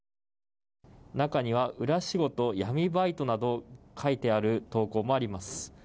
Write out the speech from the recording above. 中には裏仕事、闇バイトなど書いてある投稿もあります。